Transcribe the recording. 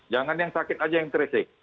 jangan yang sakit saja yang tracing